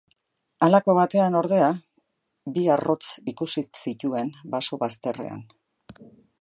Halako batean ordea, bi arrotz ikusi zituen baso bazterrean.